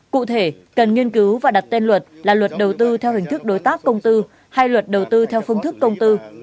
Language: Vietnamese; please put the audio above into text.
cụ thể cần nghiên cứu và đặt tên luật là luật đầu tư theo hình thức đối tác công tư hay luật đầu tư theo phương thức công tư